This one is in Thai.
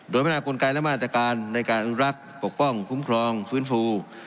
โดยพัฒนากลไกและมาตรการในการอนุรักษ์ปกป้องคุ้มครองฟื้นฟู